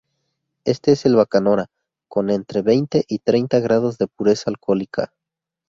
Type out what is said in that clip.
Este es el bacanora, con entre veinte y treinta grados de pureza alcohólica.